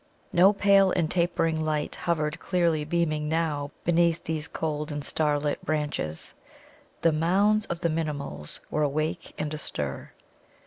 No pale and tapering light hovered clearly beaming now beneath these cold and starlit branches. The Mounds of the Minimuls were awake and astir.